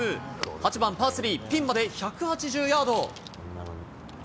８番パー３、ピンまで１８０ヤード。